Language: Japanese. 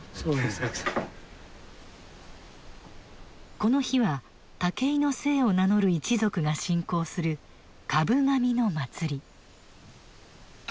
この日は竹井の姓を名乗る一族が信仰する株神の祭り。